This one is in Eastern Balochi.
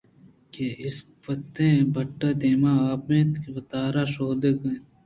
کہ اِسپیتیں بَٹ دائم آپءَاِنتءُ وتارا شودگءَاِنت